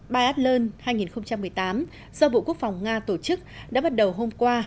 bidl hai nghìn một mươi tám do bộ quốc phòng nga tổ chức đã bắt đầu hôm qua